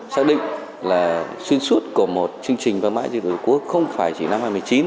xác định là xuyên suốt của một chương trình vang mãi giai điệu tổ quốc không phải chỉ năm hai nghìn một mươi chín